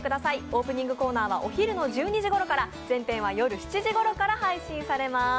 オープニングコーナーはお昼の１２時ごろから、全編は夜７時ごろから配信されます